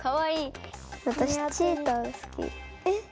えっ？